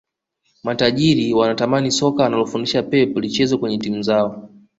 matajiri wanatamani soka analolifundisha pep lichezwe kwenye timu zao